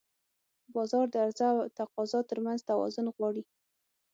بازار د عرضه او تقاضا ترمنځ توازن غواړي.